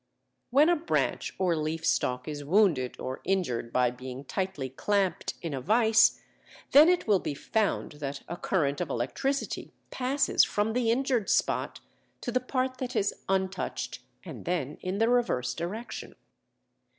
When a branch or leaf stalk is wounded or injured by being tightly clamped in a vice, then it will be found that a current of electricity passes from the injured spot to the part that is untouched, and then in the reverse direction.